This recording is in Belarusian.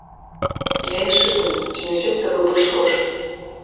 Я яшчэ думаю, ці не ўзяць з сабой больш грошай.